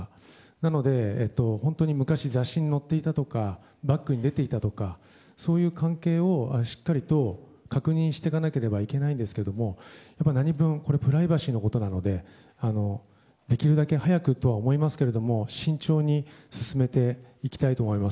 なので、本当に昔、雑誌に載っていたとかバックに出ていたとかそういう関係をしっかりと確認していかなければいけないですけどやっぱり何分プライバシーなことなのでできるだけ早くとは思いますけど慎重に進めていきたいと思います。